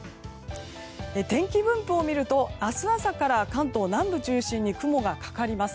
天気分布を見ると明日朝から関東南部中心に雲がかかります。